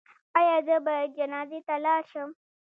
ایا زه باید جنازې ته لاړ شم؟